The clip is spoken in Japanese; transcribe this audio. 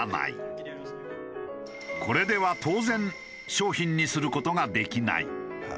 これでは当然商品にする事ができない。